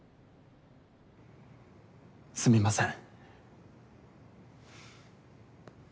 すみません。